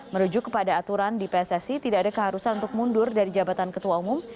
merujuk kepada aturan di pssi tidak ada keharusan untuk mundur dari jabatan ketua umum